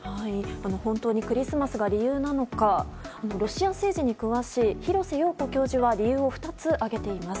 本当にクリスマスが理由なのかロシア政治に詳しい廣瀬陽子教授は理由を２つ挙げています。